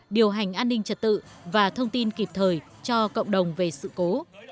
điều hành an ninh trật tự và thông tin kịp thời cho cộng đồng về sự cố